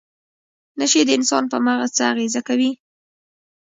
نشې د انسان په مغز څه اغیزه کوي؟